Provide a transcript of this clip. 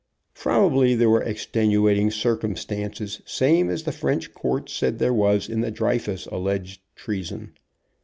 Probably there were extenuating circum stances, same as the French court said there was in Dreyfus' alleged treason.